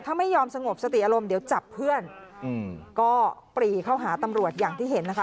ถ้าไม่ยอมสงบสติอารมณ์เดี๋ยวจับเพื่อนอืมก็ปรีเข้าหาตำรวจอย่างที่เห็นนะคะ